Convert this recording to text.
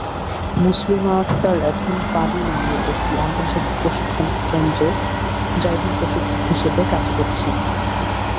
মুসলিমা আক্তার এখন পাডি নামের একটি আন্তর্জাতিক প্রশিক্ষণকেন্দ্রে ডাইভিং প্রশিক্ষক হিসেবে কাজ করছেন।